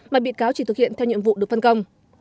mà bị cáo chỉ thực hiện theo nhiệm vụ được phân công